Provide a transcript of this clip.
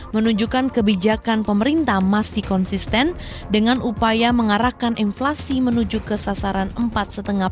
menunjukkan kebijakan pemerintah masih konsisten dengan upaya mengarahkan inflasi menuju ke sasaran empat lima dan proyeksinya ke depan lima tujuh puluh lima